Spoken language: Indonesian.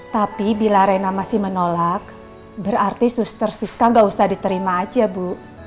tapi bila rena masih menolak berarti suster siska gak usah diterima aja bu